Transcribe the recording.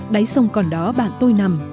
đáy sông còn đó bạn tôi nằm